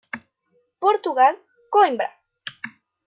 Portugal: Coimbra.